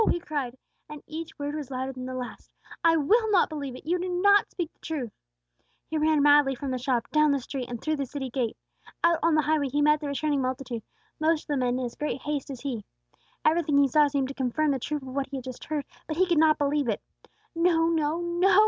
he cried; each word was louder than the last. "I will not believe it! You do not speak truth!" He ran madly from the shop, down the street, and through the city gate. Out on the highway he met the returning multitude, most of them in as great haste as he. Everything he saw seemed to confirm the truth of what he had just heard, but he could not believe it. "No, no, no!"